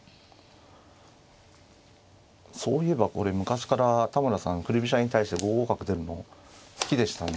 そういえばこれ昔から田村さん振り飛車に対して５五角出るの好きでしたね。